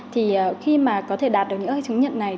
thì khi mà có thể đạt được những chứng nhận này